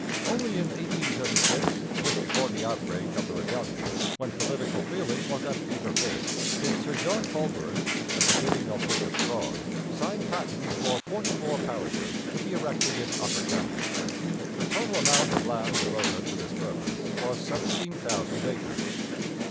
Only in 1836, just before the outbreak of the rebellions, when political feeling was at fever pitch, did Sir John Colborne, at the bidding of Bishop Strachan, sign patents for forty four parishes to be erected in Upper Canada. The total amount of land devoted to this purpose was seventeen thousand acres.